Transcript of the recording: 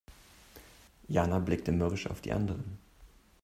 Jana blickte mürrisch auf die anderen.